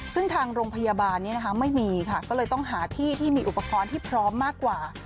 ซึ่งทางโรงพยาบาลนี้นะคะไม่มีค่ะก็เลยต้องหาที่ที่มีอุปกรณ์ที่พร้อมมากกว่า